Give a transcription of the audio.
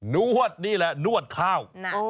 นวดนี่แหละนวดข้าว